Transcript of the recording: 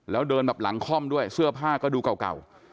แล้วเดินแบบหลังคล่อมด้วยเสื้อผ้าก็ดูเก่า